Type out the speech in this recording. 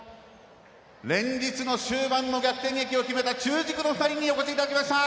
連日の終盤の逆転劇を決めた中軸の２人にお越しいただきました。